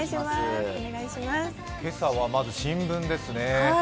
今朝はまず新聞ですね。